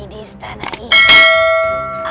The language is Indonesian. aku masih ingin tinggal lebih lama lagi